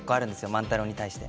万太郎に対して。